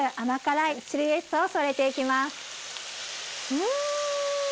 うん！